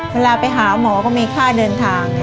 เวลาไปหาหมอก็มีค่าเดินทาง